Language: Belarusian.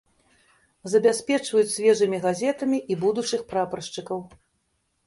Забяспечваюць свежымі газетамі і будучых прапаршчыкаў.